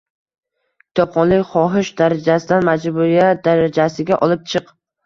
Kitobxonlikni xohish darajasidan majburiyat darajasiga olib chiq